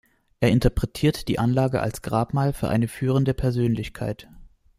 Er interpretiert die Anlage als Grabmal für eine führende Persönlichkeit.